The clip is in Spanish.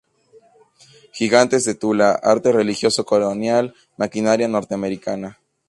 Gigantes de Tula, arte religioso colonial, maquinaria norteamericana.